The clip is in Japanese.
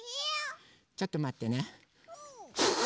ちょっとまってね。